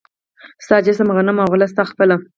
ستا جسم، غنم او غله ستا خپله